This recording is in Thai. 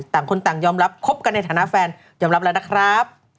ต่างคนต่างยอมรับคบกันในฐานะแฟนยอมรับแล้วนะครับ